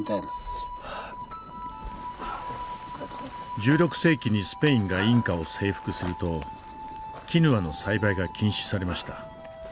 １６世紀にスペインがインカを征服するとキヌアの栽培が禁止されました。